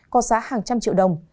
có giá hàng trăm triệu đồng